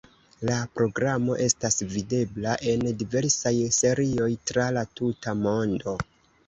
La programo estas videbla, en diversaj serioj, tra la tuta mondo.